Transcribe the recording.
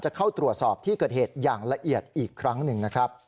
เข้าตรวจสอบที่เกิดเหตุอย่างละเอียดอีกครั้งหนึ่งนะครับ